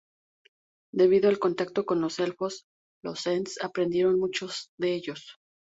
Debido al contacto con los elfos, los Ents aprendieron mucho de ellos.